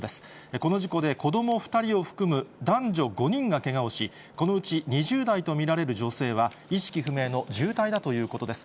この事故で子ども２人を含む男女５人がけがをし、このうち２０代と見られる女性は、意識不明の重体だということです。